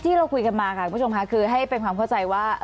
ที่เราคุยกันมาค่ะคุณผู้ชมค่ะคือให้เป็นความเข้าใจว่า